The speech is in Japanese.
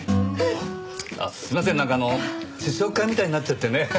すいませんなんか試食会みたいになっちゃってね。